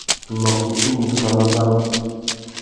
Tu mà kutu mù fá mabarú.